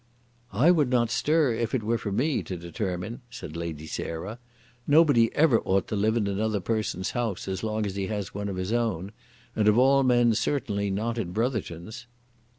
"I would not stir, if it were for me to determine," said Lady Sarah. "Nobody ever ought to live in another person's house as long as he has one of his own; and of all men certainly not in Brotherton's."